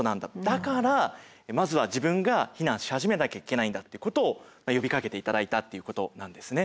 だからまずは自分が避難し始めなきゃいけないんだってことを呼びかけて頂いたっていうことなんですね。